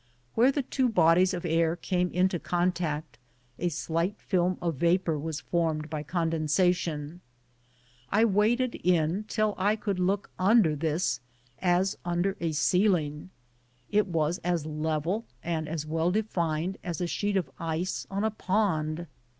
Where the two bodies of air came into contact, a slight film of vapor was formed by condensation ; I waded in till I could look under this as under a ceiling. It was as level, and as well defined as a sheet of ice on a pond.